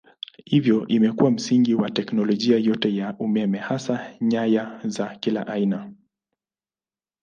Hivyo imekuwa msingi wa teknolojia yote ya umeme hasa nyaya za kila aina.